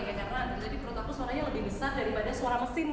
karena tadi perut aku suaranya lebih besar daripada suara mesin